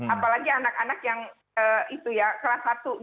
apalagi anak anak yang itu ya kelas satu